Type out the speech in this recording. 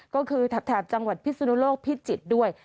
ก็คือแถบจังหวัดพิศนุโลกพิจิตรด้วย